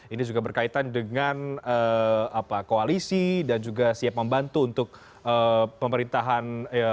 ini juga berkaitan dengan koalisi dan juga siap membantu untuk pemerintahan